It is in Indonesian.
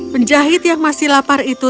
penjahit yang masih lapar itu